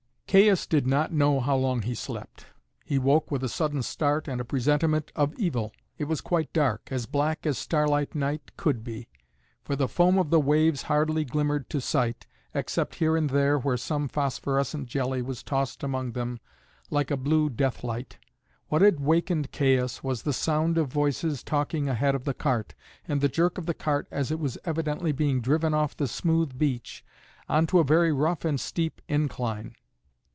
Caius did not know how long he slept. He woke with a sudden start and a presentiment of evil. It was quite dark, as black as starlight night could be; for the foam of the waves hardly glimmered to sight, except here and there where some phosphorescent jelly was tossed among them like a blue death light. What had wakened Caius was the sound of voices talking ahead of the cart, and the jerk of the cart as it was evidently being driven off the smooth beach on to a very rough and steep incline.